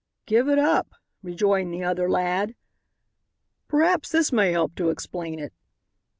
"Give it up," rejoined the other lad. "Perhaps this may help to explain it."